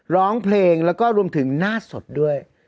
ร้องเพลงแล้วก็รวมถึงหน้าสดด้วย